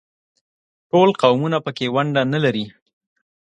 ټول قومونه په کې ونډه نه لري.